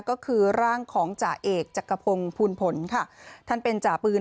ก็คือร่างของจ่าเอกจักรพงศ์ภูลผลค่ะท่านเป็นจ่าปืน